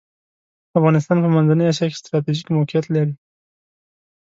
افغانستان په منځنۍ اسیا کې ستراتیژیک موقیعت لری .